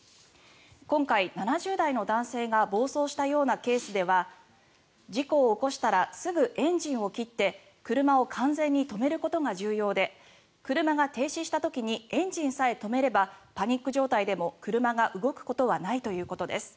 今回、７０代の男性が暴走したようなケースでは事故を起こしたらすぐエンジンを切って車を完全に止めることが重要で車が停止した時にエンジンさえ止めればパニック状態でも車が動くことはないということです。